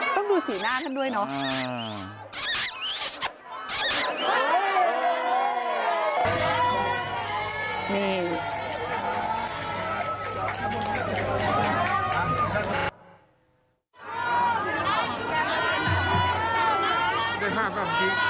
ต้องดูสีหน้าท่านด้วยเนาะ